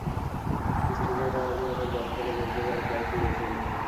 কিছু বুঝে ওঠার আগেই হঠাৎ গরম তেলে ঝলসে যায় প্রায় পুরো শরীর।